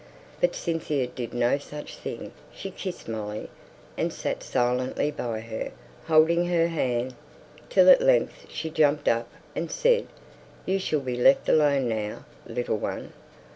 But Cynthia did no such thing. She kissed Molly, and sate silently by her, holding her hand; till at length she jumped up, and said, "You shall be left alone now, little one.